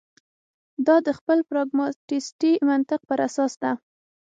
دا د خپل پراګماتیستي منطق پر اساس ده.